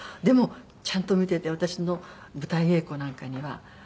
でもちゃんと見てて私の舞台稽古なんかには。